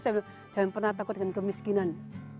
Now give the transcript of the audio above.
jangan pernah takut dengan kemiskinan